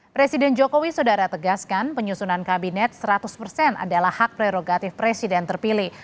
presiden jokowi sodara tegaskan penyusunan kabinet seratus persen adalah hak prerogatif presiden terpilih